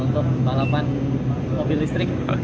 untuk balapan mobil listrik